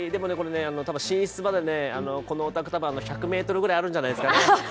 寝室までこのお宅、多分１００ｍぐらいあるんじゃないですかね。